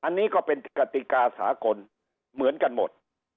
อันนี้ก็เป็นกติกาสากลเหมือนกันหมด